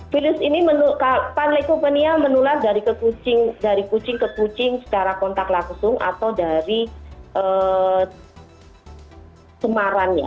virus ini menular dari kucing ke kucing secara kontak langsung atau dari kemaran ya